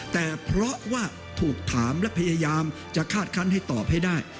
แต่เพราะว่าถูกถามและพยายามจะคาดคันให้ตอบให้ได้